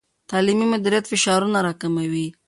تعلیمي مدیریت فشارونه راکموي.